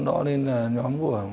điện tập tám